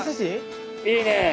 いいね！